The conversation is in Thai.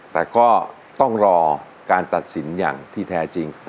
แต่ก็ต้องรอการตัดสินอย่างที่แท้จริง